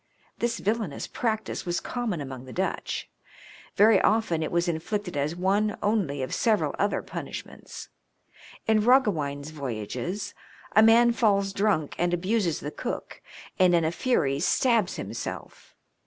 This villainous practice was common among the Dutch. Very often it was inflicted as one only of several other punishments. In Eoggewein's voyages, a man falls drunk and abuses the cook, and in a fury stabs himself.